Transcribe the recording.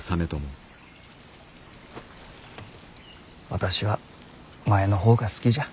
私は前の方が好きじゃ。